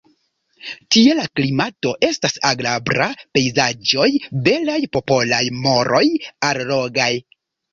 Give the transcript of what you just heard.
Tie la klimato estas agrabla, pejzaĝoj belaj, popolaj moroj allogaj.